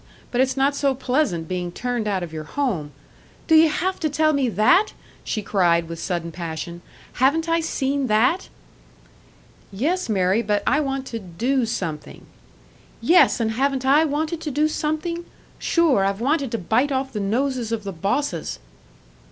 But it's not so pleasant being turned out of your home " "Do ye have to tell me that?" she cried, with sudden passion. "Haven't I seen that?" "Yes, Mary; but I want to do something " "Yes, and haven't I wanted to do something? Sure, I've wanted to bite off the noses of the bosses!"